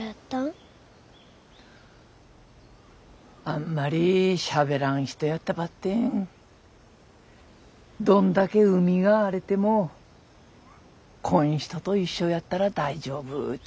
あんまりしゃべらん人やったばってんどんだけ海が荒れてもこん人と一緒やったら大丈夫っ